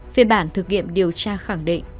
phiên bản thực nghiệm điều tra khẳng định